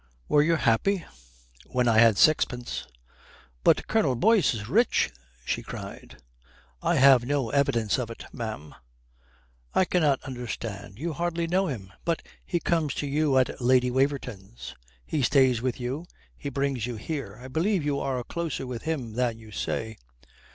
"Were you happy?" "When I had sixpence." "But Colonel Boyce is rich!" she cried. "I have no evidence of it, ma'am." "I cannot understand. You hardly know him. But he comes to you at Lady Waverton's; he stays with you; he brings you here. I believe you are closer with him than you say."